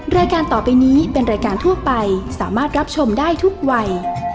รายการต่อไปนี้เป็นรายการทั่วไปสามารถรับชมได้ทุกวัย